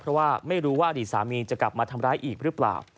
เพราะว่าไม่รู้ว่าอดีตสามีจะกลับมาทำร้ายอีกหรือเปล่า